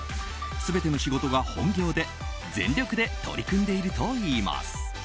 全ての仕事が本業で、全力で取り組んでいるといいます。